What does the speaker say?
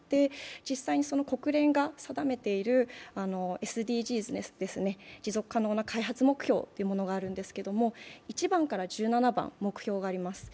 実際に国連が定めているＳＤＧｓ、持続可能な開発目標というものがあるんですけど１番から１７番、目標があります。